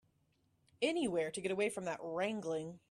Anywhere to get away from that wrangling.